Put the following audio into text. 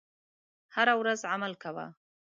هره ورځ عمل کوه .